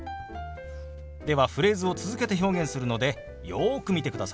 ではフレーズを続けて表現するのでよく見てくださいね。